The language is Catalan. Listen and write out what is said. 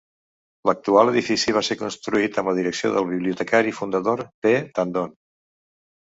L'actual edifici va ser construït amb la direcció del bibliotecari fundador P. Tandon.